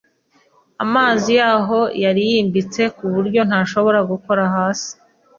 Amazi yaho yari yimbitse kuburyo ntashobora gukora hasi